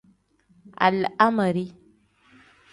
Alaameri.